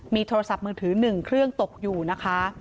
มีโทรศัพท์มือถือ๑เครื่องตกอยู่นะคะ